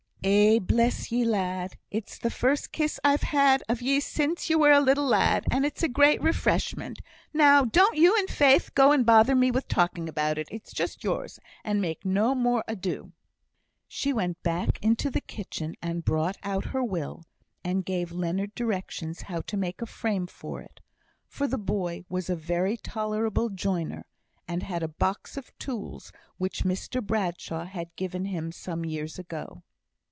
"Eh, bless ye, lad! It's the first kiss I've had of ye sin' ye were a little lad, and it's a great refreshment. Now don't you and Faith go and bother me with talking about it. It's just yours, and make no more ado." She went back into the kitchen, and brought out her will, and gave Leonard directions how to make a frame for it; for the boy was a very tolerable joiner, and had a box of tools which Mr Bradshaw had given him some years ago.